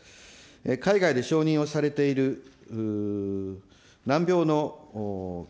海外で承認をされている難病の筋